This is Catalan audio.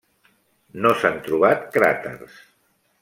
No s'han trobat cràters.